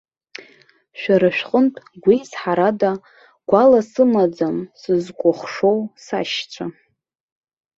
Шәара шәҟынтә гәеизҳарада, гәала сымаӡам, сызкәыхшоу сашьцәа.